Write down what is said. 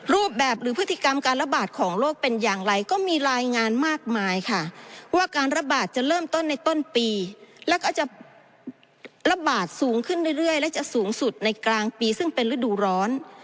รูปแบบหรือพฤติกรรมการระบาดของโรคเป็นอย่างไรก็มีรายงานมากมายค่ะว่าการระบาดจะเริ่มต้นในต้นปีแล้วก็จะระบาดสูงขึ้นเรื่อยและจะสูงสุดในกลางปีซึ่งเป็นฤดูร้อน